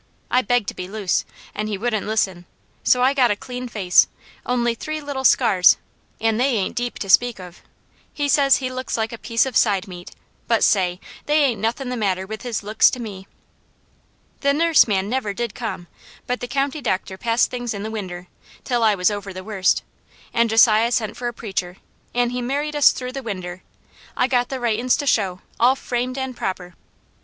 I begged to be loose, an' he wouldn't listen, so I got a clean face, only three little scars, an' they ain't deep to speak of. He says he looks like a piece of side meat, but say! they ain't nothin' the matter with his looks to me! "The nuss man never did come, but the county doctor passed things in the winder, till I was over the worst, an' Josiah sent for a preacher an' he married us through the winder I got the writin's to show, all framed an' proper.